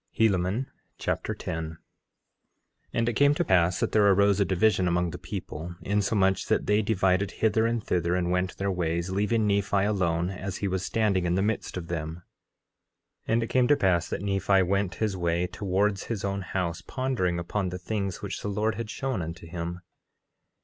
Helaman Chapter 10 10:1 And it came to pass that there arose a division among the people, insomuch that they divided hither and thither and went their ways, leaving Nephi alone, as he was standing in the midst of them. 10:2 And it came to pass that Nephi went his way towards his own house, pondering upon the things which the Lord had shown unto him.